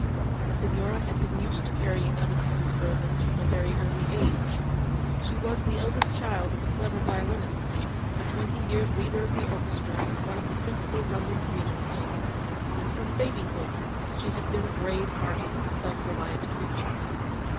The Signora had been used to carrying other people's burthens from a very early age. She was the eldest child of a clever violinist, for twenty years leader of the orchestra in one of the principal London theatres; and from babyhood she had been a brave hearted, self reliant creature.